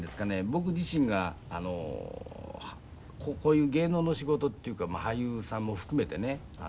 僕自身がこういう芸能の仕事っていうか俳優さんも含めてね